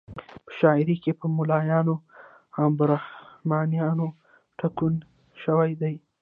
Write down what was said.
په شاعري کې په ملایانو او برهمنانو ټکونه شوي دي.